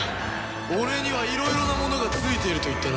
俺にはいろいろなものが憑いていると言ったな。